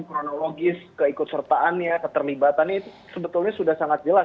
kronologis keikutsertaannya ketermibatannya itu sebetulnya sudah sangat jelas